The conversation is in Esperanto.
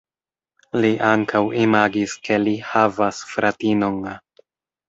Li ankaŭ imagis ke li havas fratinon.